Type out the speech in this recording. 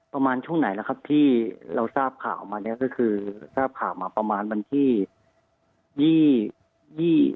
ประมาณช่วงไหนแล้วครับที่เราทราบข่าวมาเนี้ยก็คือทราบข่าวมาประมาณวันที่ยี่ยี่